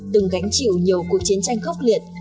từng gánh chịu nhiều cuộc chiến tranh khốc liệt